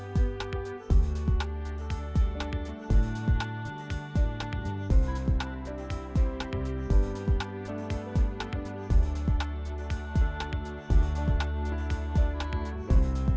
teruslah berjalan anakku